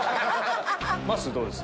まっすーどうです？